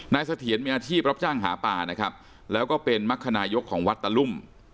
เสถียรมีอาชีพรับจ้างหาปลานะครับแล้วก็เป็นมรรคนายกของวัดตะลุ่ม